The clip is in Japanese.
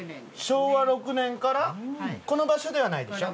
昭和６年からこの場所ではないでしょ？